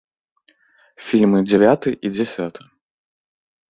Фільмы дзявяты і дзясяты.